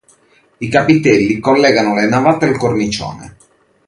I capitelli collegano le navate al cornicione.